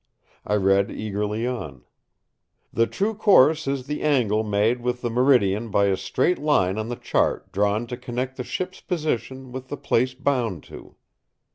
I read eagerly on: "The True Course is the angle made with the meridian by a straight line on the chart drawn to connect the ship's position with the place bound to."